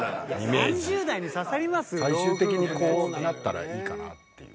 最終的にこうなったらいいかなっていう。